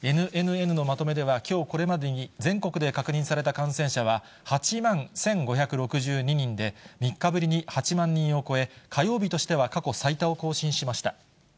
ＮＮＮのまとめでは、きょうこれまでに全国で確認された感染者は、８万１５６２人で、３日ぶりに８万人を超え、火曜日としては過去最多を更新しました。